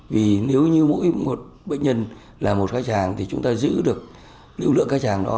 vì nếu như mỗi một bệnh nhân là một khách hàng thì chúng ta giữ được lưu lượng khách hàng đó